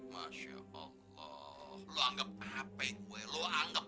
maaf pak ada yang mau saya omongin mem